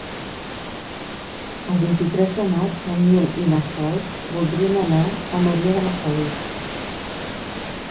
El vint-i-tres de maig en Nil i na Cel voldrien anar a Maria de la Salut.